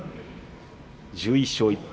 １１勝１敗